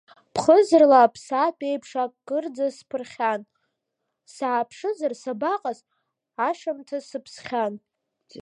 Ԥхыӡырла аԥсаатә еиԥш акырӡа сԥырхьан, сааԥшызар сабаҟаз, ашамҭаз сыԥсхьан.